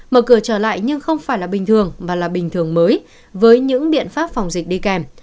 mở cửa trở lại nhưng không phải là bình thường mà là bình thường mới với những biện pháp phòng dịch đi kèm